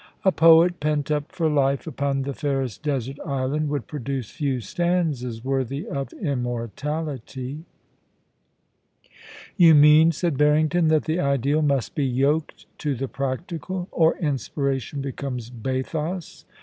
A poet pent up for life upon the fairest desert island would produce few stanzas worthy of immortality.' 'You mean,' said Harrington, *that the ideal must be yoked to the practical, or inspiration becomes bathos.